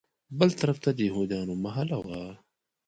بل طرف ته د یهودیانو محله وه.